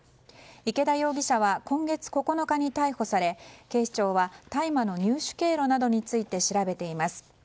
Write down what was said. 池田容疑者は今月９日に逮捕され警視庁は大麻の入手経路などについて調べています。